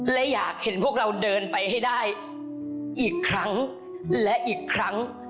และอยากเห็นพวกเราเดินไปให้ได้อีกครั้งและอีกครั้ง